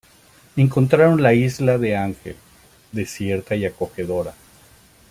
Encontraron la Isla de Ángel, desierta y acogedora.